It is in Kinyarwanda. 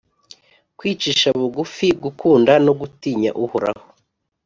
Kwicisha bugufi, gukunda no gutinya Uhoraho